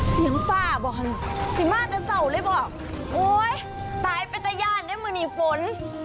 เสียงฝ้าบอกสิม่าจะเศร้าเลยบอกโอ้ยตายไปตะย่านเนี่ยมือหนีฝน